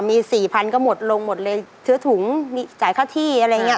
มี๔๐๐๐ก็หมดลงหมดเลยเถือถุงจ่ายค่าที่อะไรอย่างนี้